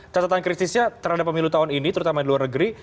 catatan kritisnya terhadap pemilu tahun ini terutama di luar negeri